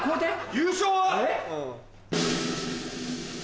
優勝は。